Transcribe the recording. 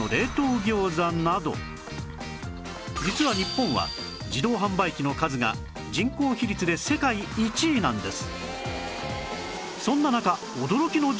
実は日本は自動販売機の数が人口比率で世界１位なんです